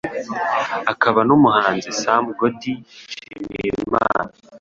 akaba n'umuhanzi Sam Gody Nshimiyimana.